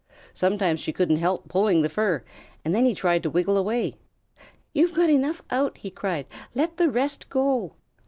Sometimes she couldn't help pulling the fur, and then he tried to wriggle away. "You've got enough out," he cried. "Let the rest go."